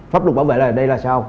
pháp luật bảo vệ là đây là sao